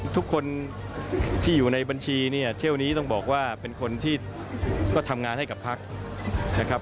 ทุกคนที่อยู่ในบัญชีเนี่ยเที่ยวนี้ต้องบอกว่าเป็นคนที่ก็ทำงานให้กับพักนะครับ